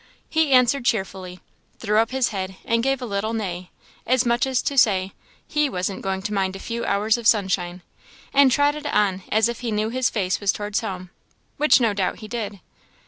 He answered cheerfully; threw up his head and gave a little neigh, as much as to say, he wasn't going to mind a few hours of sunshine; and trotted on as if he knew his face was towards home which no doubt he did.